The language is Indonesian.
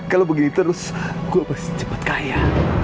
kalau begini terus gue pasti cepat kaya